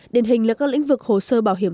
điển hình là các lĩnh vực hồ sơ bảo hiểm